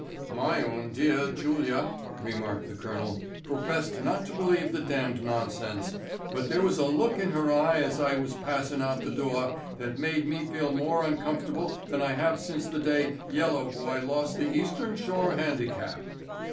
"My own deah Julia," remarked the colonel, "professed not to believe the damned nonsense, but there was a look in her off eye as I was passin' out the door that made me feel more uncomfortable than I have since the day Yellow Boy lost the Eastern Shore Handicap."